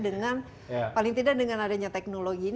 dengan paling tidak dengan adanya teknologi ini